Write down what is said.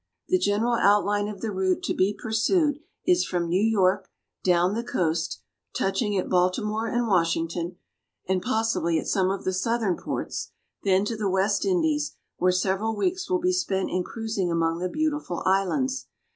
The general outline of the route to be pursued is from New York down the coast, touching at Baltimore and Washington, and possibly at some of the Southern ports, then to the West Indies, where several weeks will be spent in cruising among the beautiful islands.